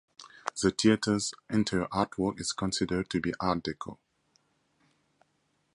The theater's interior artwork is considered to be Art Deco.